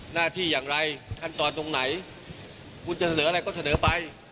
หน้าที่อย่างไรขั้นตอนตรงไหนคุณจะเสนออะไรก็เสนอไป